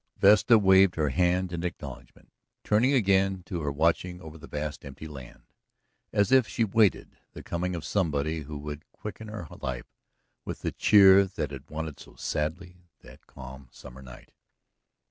Vesta waved her hand in acknowledgment, turning again to her watching over the vast, empty land, as if she waited the coming of somebody who would quicken her life with the cheer that it wanted so sadly that calm summer night.